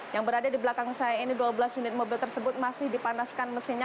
yang berada di belakang saya ini dua belas unit mobil tersebut masih dipanaskan mesinnya